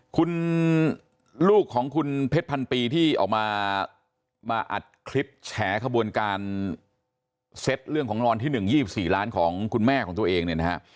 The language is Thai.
คุณลูกของคุณเพชรพันปีที่ออกมามาอัดคลิปแฉขบวนการเซ็ตเรื่องของรางวัลที่๑๒๔ล้านของคุณแม่ของตัวเองเนี่ยนะฮะ